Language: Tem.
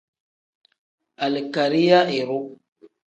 Alikariya iru.